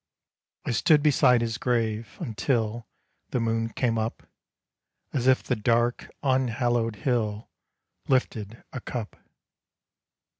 I stood beside his grave until The moon came up As if the dark, unhallowed hill Lifted a cup.